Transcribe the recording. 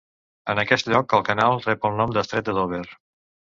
En aquest lloc el canal rep el nom d'estret de Dover.